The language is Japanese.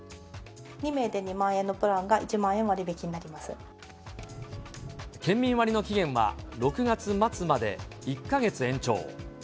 ２名で２万円のプランが１万県民割の期限は、６月末まで１か月延長。